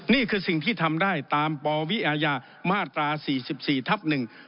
นี่คือสิ่งที่ทำได้ตามปวิอาญามาตรา๔๔ทับ๑